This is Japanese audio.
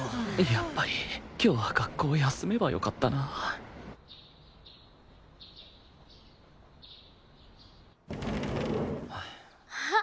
やっぱり今日は学校を休めばよかったなはあ。